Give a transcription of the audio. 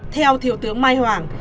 theo thiếu tướng mai hoàng